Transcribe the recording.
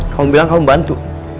kamu bilang kamu bantu